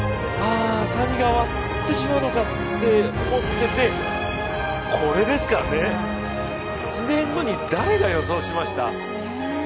ああ、サニが終わってしまうのかと思っててこれですからね、１年後に誰が予想しました？